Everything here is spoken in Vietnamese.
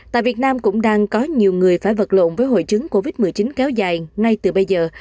tại việt nam cũng đang có nhiều người phải vật lộn với hội chứng covid một mươi chín kéo dài ngay từ bây giờ